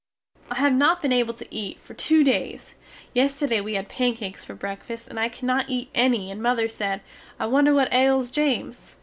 I have not been able to eat fer two days, yesterday we had pancakes fer brekfast and I cood not eat enny and mother sed, I wonder what ales James?